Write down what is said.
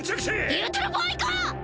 言うてる場合か！